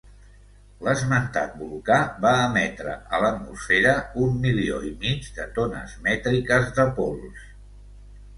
L'esmentat volcà va emetre a l'atmosfera un milió i mig de tones mètriques de pols.